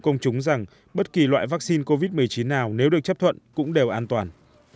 công chúng rằng bất kỳ loại vaccine covid một mươi chín nào nếu được chấp thuận cũng đều an toàn